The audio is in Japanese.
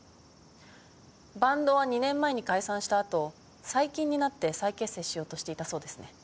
バンドは２年前に解散した後最近になって再結成しようとしていたそうですね。